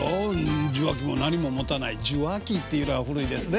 受話器も何も持たない受話器っていうのは古いですね。